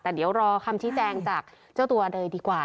แต่เดี๋ยวรอคำชี้แจงจากเจ้าตัวเลยดีกว่า